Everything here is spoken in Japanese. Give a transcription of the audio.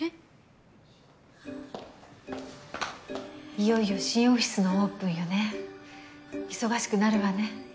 ・いよいよ新オフィスのオープンよね忙しくなるわね。